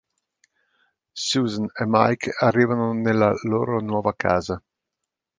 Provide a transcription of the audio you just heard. Susan e Mike arrivano nella loro nuova casa.